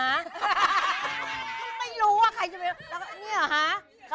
เขาไม่รู้ว่าใครจะเป็น